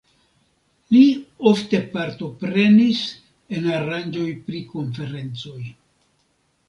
Li ofte partoprenis en aranĝaĵoj pri konferencoj.